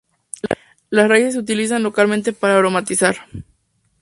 Las raíces se utilizan localmente para aromatizar.